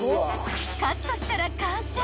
［カットしたら完成］